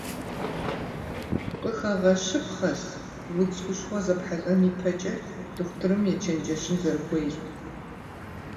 Къыхэгъэщыпхъэщ, удз хущхъуэ зэпхьэлӀэн ипэкӀэ дохутырым ечэнджэщын зэрыхуейр.